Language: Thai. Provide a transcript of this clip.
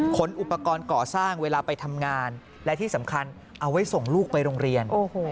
อุปกรณ์ก่อสร้างเวลาไปทำงานและที่สำคัญเอาไว้ส่งลูกไปโรงเรียน